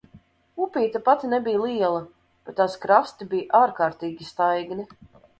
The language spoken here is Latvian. Upīte pati nebija liela, bet tās krasti bija ārkārtīgi staigni.